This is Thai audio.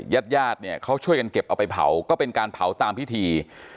ญาติญาติเนี่ยเขาช่วยกันเก็บเอาไปเผาก็เป็นการเผาตามพิธี